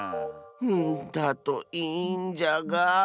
うんだといいんじゃが。